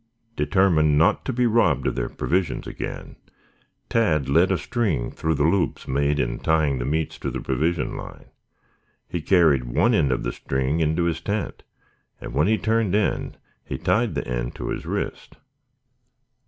Determined not to be robbed of their provisions again, Tad led a string through the loops made in tying the meats to the provision line. He carried one end of the string into his tent and when he turned in he tied the end to his wrist.